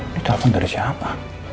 ini telepon dari siapa